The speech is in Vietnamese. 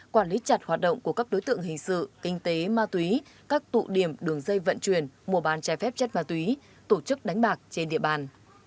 quản lý chặt hoạt động của các đối tượng hình sự kinh tế ma túy các tụ điểm đường dây vận chuyển mùa bàn trái phép chất ma túy tổ chức đánh bạc trên địa bàn